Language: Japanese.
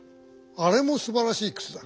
あれもすばらしいくつだ。